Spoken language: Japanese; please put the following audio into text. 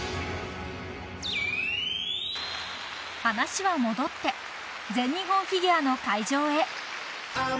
［話は戻って全日本フィギュアの会場へ］